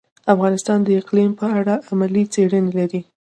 افغانستان د اقلیم په اړه علمي څېړنې لري.